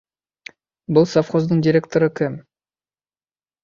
Был совхоздың директоры кем?